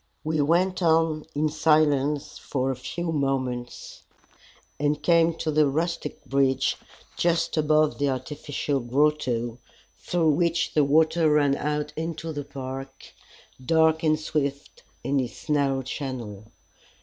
We went on in silence for a few moments, and came to the rustic bridge just above the artificial grotto through which the water ran out into the park, dark and swift in its narrow channel.